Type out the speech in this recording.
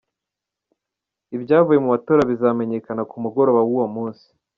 Ibyavuye mu matora bizamenyekana ku mugoroba w'uwo munsi.